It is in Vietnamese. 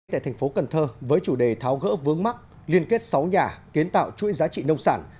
tại thành phố cần thơ với chủ đề tháo gỡ vướng mắt liên kết sáu nhà kiến tạo chuỗi giá trị nông sản